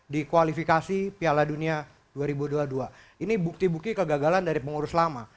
di kualifikasi piala dunia dua ribu dua puluh dua ini bukti bukti kegagalan dari pengurus lama